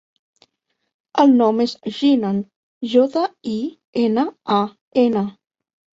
El nom és Jinan: jota, i, ena, a, ena.